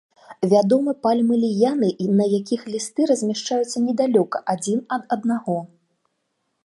Вядомы пальмы-ліяны, на якіх лісты размяшчаюцца недалёка адзін ад аднаго.